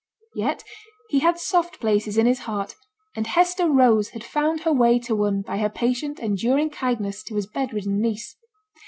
Yet he had soft places in his heart, and Hester Rose had found her way to one by her patient, enduring kindness to his bed ridden niece.